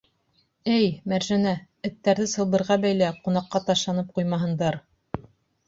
Эй, Мәржәнә, эттәрҙе сылбырға бәйлә, ҡунаҡҡа ташланып ҡуймаһындар!